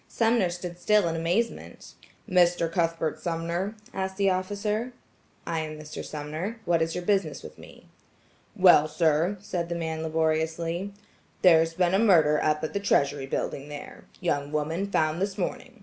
Sumner stood still in amazement. "Mr. Cuthbert Sumner?" asked the officer. "I am Mr. Sumner. What is your business with me?" "Well, sir," said the man laboriously, "there's been a murder up at the Treasury building there. Young woman found this morning.